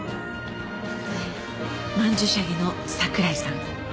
曼珠沙華の櫻井さん。